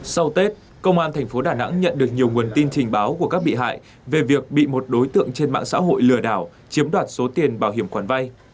sau tết công an tp đà nẵng nhận được nhiều nguồn tin trình báo của các bị hại về việc bị một đối tượng trên mạng xã hội lừa đảo chiếm đoạt số tiền bảo hiểm khoản vay